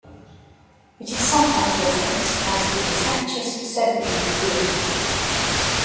It is sometimes referenced as the De Franchis-Severi theorem.